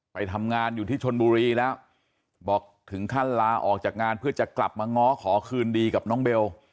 ไปทำงานอยู่ที่ชนบุรีแล้วบอกถึงขั้นลาออกจากงานเพื่อจะกลับมาง้อขอคืนดีกับน้องเบล